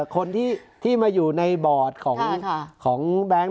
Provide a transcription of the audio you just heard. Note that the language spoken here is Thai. คนที่มาอยู่ในบอร์ดของแบงค์